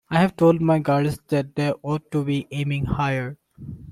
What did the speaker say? I've told my girls that they ought to be aiming higher.